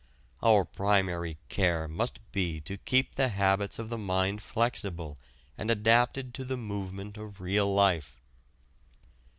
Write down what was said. Our primary care must be to keep the habits of the mind flexible and adapted to the movement of real life.